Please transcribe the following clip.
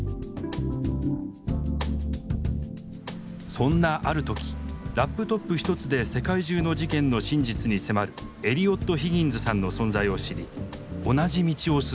そんなある時ラップトップ１つで世界中の事件の真実に迫るエリオット・ヒギンズさんの存在を知り同じ道を進みたいと思い立ちました。